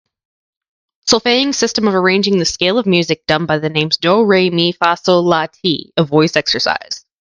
Solfaing system of arranging the scale of music by the names do, re, mi, fa, sol, la, si a voice exercise.